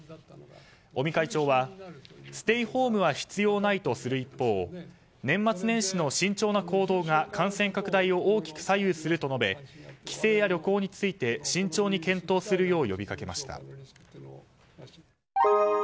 尾身会長はステイホームは必要ないとする一方年末年始の慎重な行動が感染拡大を大きく左右すると述べ帰省や旅行について慎重に検討するよう呼びかけました。